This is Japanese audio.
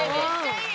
いい。